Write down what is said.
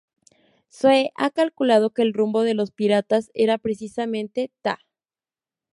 Zoe ha calculado que el rumbo de los piratas era precisamente Ta.